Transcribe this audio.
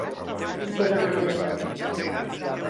Ser de mala llavor.